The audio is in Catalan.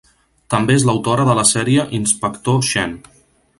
També és l'autora de la sèrie "Inspector Chen".